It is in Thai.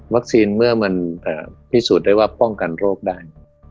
เมื่อมันพิสูจน์ได้ว่าป้องกันโรคได้